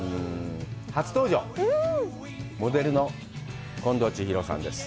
初登場、モデルの近藤千尋さんです。